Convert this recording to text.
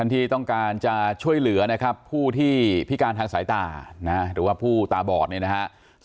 ที่ต้องการจะช่วยเหลือนะครับผู้ที่พิการทางสายตาหรือว่าผู้ตาบอดเนี่ยนะฮะ